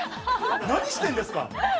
何してるんですか。